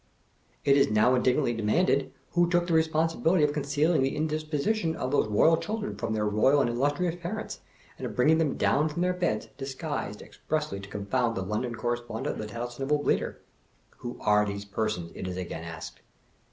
It is now indignantly demanded, who took the responsibil ity of concealing the indisposition of those Eoyal children from their Eoyal and Illustrious parents, and of bringing them down from their beds, disgfuised, expressly to con found the London Correspondent of The Tattlesnivel Bleat er? Who are those persons, it is again asked?